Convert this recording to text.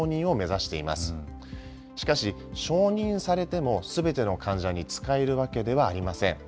しかし、承認されてもすべての患者に使えるわけではありません。